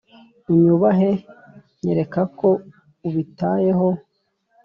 unyubahe, nyereka ko ubitayeho.